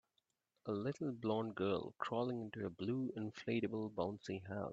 A little blond girl crawling into a blue inflatable bouncy house.